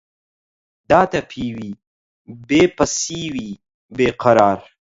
داتەپیوی، بێ پەسیوی بێ قەرار